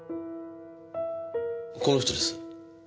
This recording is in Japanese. この人です。